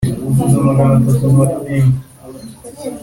kandi mumwizirikaho. bityo uzabaho, mu gihugu